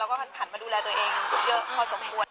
เราก็ผ่านมาดูแลตัวเองเยอะพอสมควร